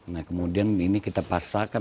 nah kemudian ini kita pasarkan